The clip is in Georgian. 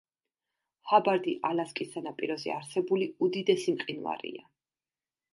ჰაბარდი ალასკის სანაპიროზე არსებული უდიდესი მყინვარია.